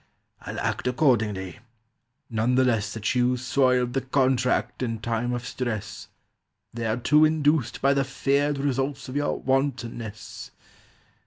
"I'll act accordingly, none the less That you soiled the contract in time of stress, Thereto induced By the feared results of your wantonness.